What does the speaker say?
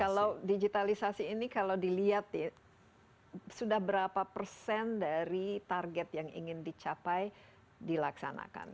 kalau digitalisasi ini kalau dilihat ya sudah berapa persen dari target yang ingin dicapai dilaksanakan